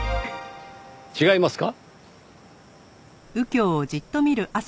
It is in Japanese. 違いますか？